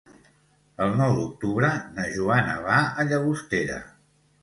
El nou d'octubre na Joana va a Llagostera.